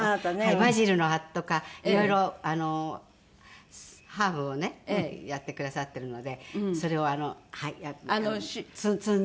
バジルの葉とかいろいろハーブをねやってくださってるのでそれを摘んで。